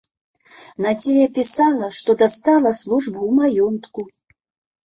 Надзея пісала, што дастала службу ў маёнтку.